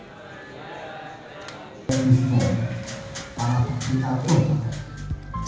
membuatnya menjadi kemampuan untuk memperbaiki kemampuan tionghoa